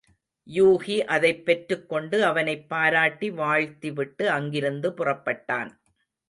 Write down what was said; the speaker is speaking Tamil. யூகி அதைப் பெற்றுக்கொண்டு அவனைப் பாராட்டி வாழ்த்தி விட்டு, அங்கிருந்து புறப்பட்டான்.